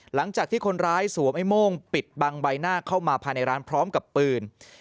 หลังจากที่คนร้ายสวมไอ้โม่งปิดบังใบหน้าเข้ามาภายในร้านพร้อมกับปืน